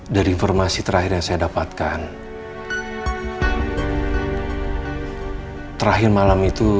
merakam beberapa buah banyak pola yang mengerjakan tapi di rumah langsung itu